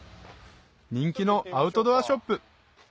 人気のアウトドアショップ